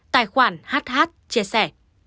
tài khoản hh chia sẻ